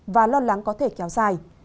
và lo lắng có thể kéo dài